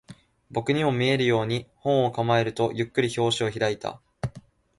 僕にも見えるように、本を構えると、ゆっくり表紙を開いた